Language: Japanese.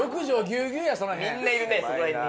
みんないるねそこら辺に。